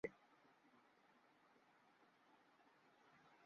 তবে আপাত পাই দিবস নানা দিনে পালিত হয়ে থাকে।